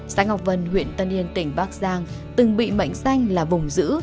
xã ngọc vân huyện tân yên tỉnh bắc giang từng bị mệnh danh là vùng giữ